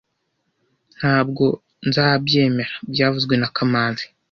Ntabwo nzabyemera byavuzwe na kamanzi